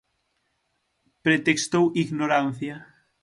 Pretextou ignorancia.